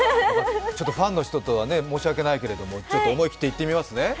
ファンの人には申し訳ないけども、思い切って言ってみますね。